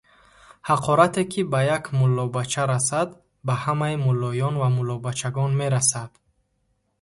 Ҳақорате, ки ба як муллобача расад, ба ҳамаи муллоён ва муллобачагон мерасад.